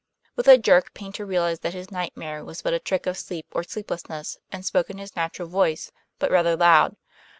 With a jerk Paynter realized that his nightmare was but a trick of sleep or sleeplessness, and spoke in his natural voice, but rather loud.